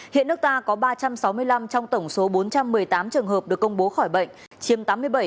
hiện nước ta có ba trăm sáu mươi năm trong tổng số bốn trăm một mươi tám trường hợp được công bố khỏi bệnh chiếm tám mươi bảy bảy